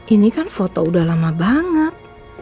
ini kan foto udah lama banget